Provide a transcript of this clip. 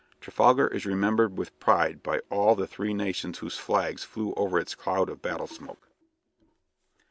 Trafalgar is remembered with pride by all the three nations whose flags flew over its cloud of battle smoke.